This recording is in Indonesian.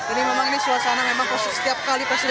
ini memang ini suasana memang setiap kali pasti